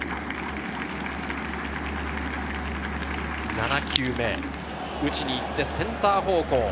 ７球目、打ちにいってセンター方向。